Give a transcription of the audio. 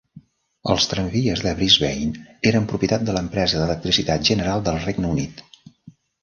Els tramvies de Brisbane eren propietat de l'empresa d'electricitat general del Regne Unit.